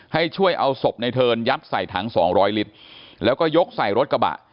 ให้ช่วยเอาศพในเทิร์นยัดใส่ถังสองร้อยลิตรแล้วก็ยกใส่รถกระบะ